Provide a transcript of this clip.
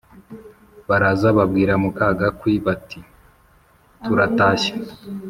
baraza babwira muka gakwi bati «turatashye